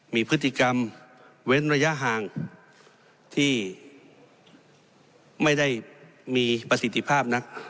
มีพฤติกรรมเว้นระยะห่างที่ไม่ได้มีประสิทธิภาพนัก